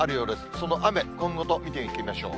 その雨、今後を見ていきましょう。